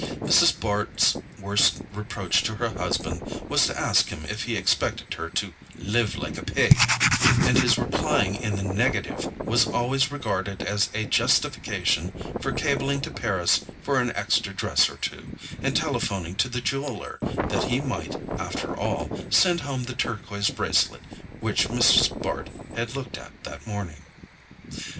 Mrs. Bart's worst reproach to her husband was to ask him if he expected her to "live like a pig"; and his replying in the negative was always regarded as a justification for cabling to Paris for an extra dress or two, and telephoning to the jeweller that he might, after all, send home the turquoise bracelet which Mrs. Bart had looked at that morning.